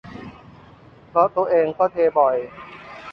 เพราะตัวเองก็เทบ่อย